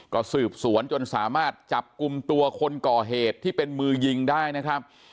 ก็สืบสวนจนสามารถจับกลุ่มตัวคนก่อเหตุที่เป็นมือยิงได้นะครับ